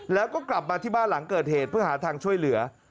แล้วก็กลับมาที่บ้านหลังเกิดเหตุเพื่อหาทางช่วยเหลือ